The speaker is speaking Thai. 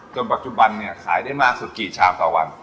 ปัจจุบันเนี่ยขายได้มากสุดกี่ชามต่อวัน